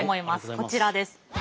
こちらです。